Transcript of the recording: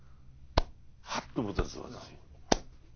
ハッと思ったんです私。